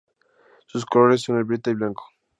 Sus colores son el violeta y el blanco.